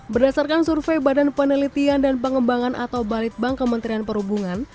berdasarkan survei badan penelitian dan pengembangan atau balitbank kementerian perhubungan